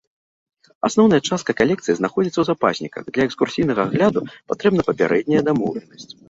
Асноўная частка калекцыі знаходзіцца ў запасніках, для экскурсійнага агляду патрэбна папярэдняя дамоўленасць.